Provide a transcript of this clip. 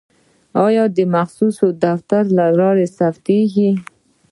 یا د مخصوص دفتر له لارې ثبتیږي.